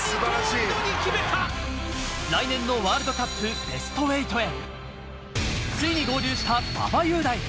来年のワールドカップベスト８へ、ついに合流した馬場雄大。